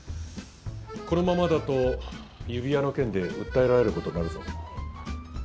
このままだと指輪の件で訴えられることになるぞ。